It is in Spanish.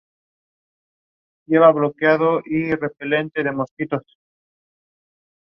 Se vende en cuñas con una distintiva corteza de cera verde.